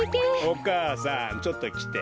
お母さんちょっときて。